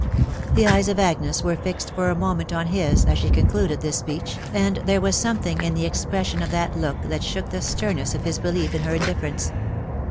The eyes of Agnes were fixed for a moment on his as she concluded this speech, and there was something in the ex pression of that look that shook the sternness of his belief in her indifference.